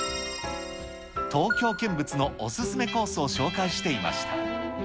東京見物のおすすめコースを紹介していました。